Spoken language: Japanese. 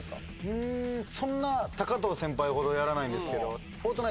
うんそんな藤先輩ほどやらないんですけど。